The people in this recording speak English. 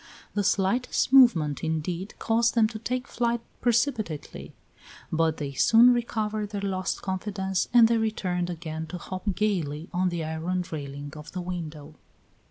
The slightest movement, indeed, caused them to take flight precipitately; but they soon recovered their lost confidence and they returned again to hop gayly on the iron railing of the window.